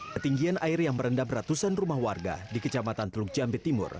ketinggian air yang merendam ratusan rumah warga di kecamatan teluk jambe timur